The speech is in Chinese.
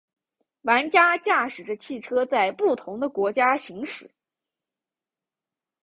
玩家驾驶着汽车在不同的国家行驶。